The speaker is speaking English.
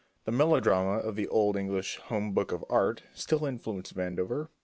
The melodrama of the old English "Home Book of Art" still influenced Vandover.